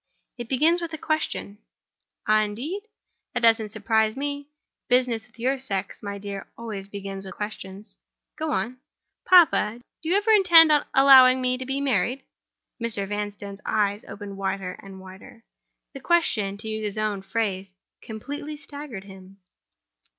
"It begins with a question." "Ah, indeed? That doesn't surprise me. Business with your sex, my dear, always begins with questions. Go on." "Papa! do you ever intend allowing me to be married?" Mr. Vanstone's eyes opened wider and wider. The question, to use his own phrase, completely staggered him.